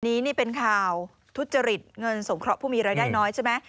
นี้นี่เป็นข่าวทุจริตเงินสงเคราะห์ผู้มีรายได้น้อยใช่ไหม